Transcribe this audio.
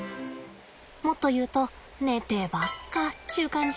もっと言うと寝てばっかっちゅう感じ？